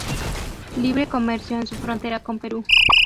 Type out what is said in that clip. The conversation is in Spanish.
Libre comercio en su frontera con Perú.